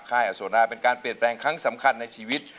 อโสดาเป็นการเปลี่ยนแปลงครั้งสำคัญในชีวิต